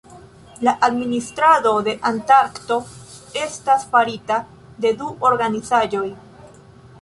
La administrado de Antarkto estas farita de du organizaĵoj.